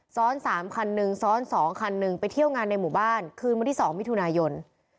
ซ้อน๓คันหนึ่งซ้อน๒คันหนึ่งไปเที่ยวงานในหมู่บ้านคืนวันที่๒มิถุนายน